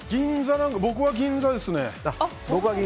僕は銀座ですね。